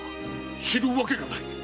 知るわけがない！